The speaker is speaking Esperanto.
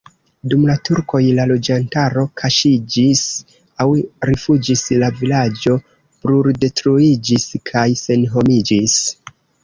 Dum la turkoj la loĝantaro kaŝiĝis aŭ rifuĝis, la vilaĝo bruldetruiĝis kaj senhomiĝis.